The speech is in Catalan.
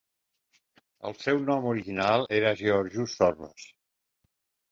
El seu nom original era Georgios Zorbas.